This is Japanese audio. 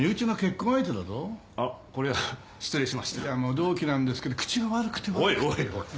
同期なんですけど口が悪くて悪くて。